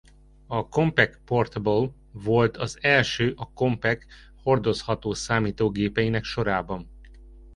A Compaq Portable volt az első a Compaq hordozható számítógépeinek sorában.